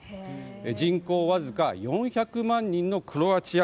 人口わずか４００万人のクロアチア。